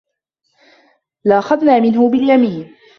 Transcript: لَأَخَذنا مِنهُ بِاليَمينِ